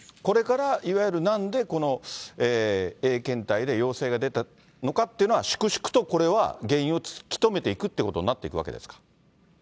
これからいわゆる、なんでこのＡ検体で陽性が出たのかっていうのは、粛々とこれは、原因を突き止めていくということになっていくわけですか。